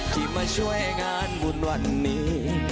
ที่มาช่วยงานบุญวันนี้